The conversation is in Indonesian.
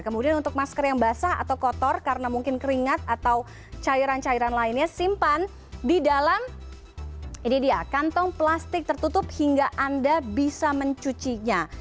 kemudian untuk masker yang basah atau kotor karena mungkin keringat atau cairan cairan lainnya simpan di dalam kantong plastik tertutup hingga anda bisa mencucinya